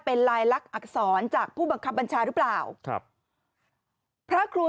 เป็นลายลักษณอักษรจากผู้บังคับบัญชาหรือเปล่าครับพระครู